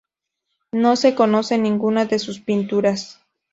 No se conoce ninguna de sus pinturas.